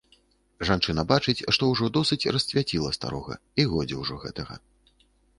Жанчына бачыць, што ўжо досыць расцвяліла старога, і годзе ўжо гэтага.